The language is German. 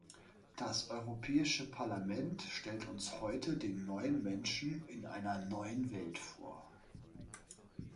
Das Europäische Parlament stellt uns heute den neuen Menschen in einer neuen Welt vor.